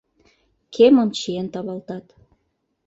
Кемым чиен тавалтат